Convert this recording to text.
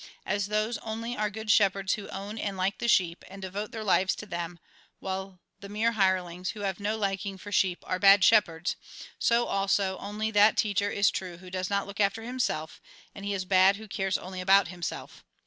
As those only are good shepherds who own and like the sheep, and devote their lives to them, while the mere 13 194 THE GOSPEL IN BRIEF hirelings, who have no liking for sheep, are bad shepherds ; so, also, only that teacher is true who does not look after himself, and he is bad who cares only about himself.